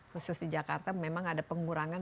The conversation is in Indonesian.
khusus di jakarta memang ada pengurangan